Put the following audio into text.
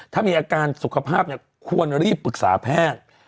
ถ้ามีอาการสุขภาพควรรีบปรึกษาแพทย์